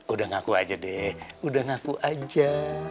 udah ngaku aja deh udah ngaku aja